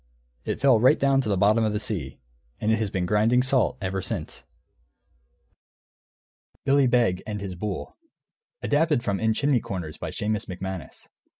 It fell right down to the bottom of the sea. And it has been grinding salt ever since. BILLY BEG AND HIS BULL [Footnote 1: Adapted from In Chimney Corners, by Seumas McManus.